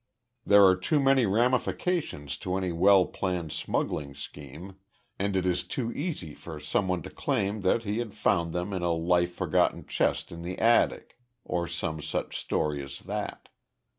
There are too many ramifications to any well planned smuggling scheme, and it is too easy for some one to claim that he had found them in a long forgotten chest in the attic or some such story as that.